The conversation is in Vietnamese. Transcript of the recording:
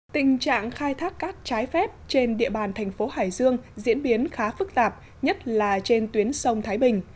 tình trạng khai thác cát trái phép trên địa bàn thành phố hải dương diễn biến khá phức tạp nhất là trên tuyến sông thái bình